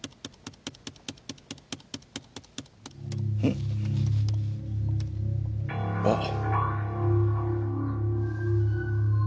んっ？あっ。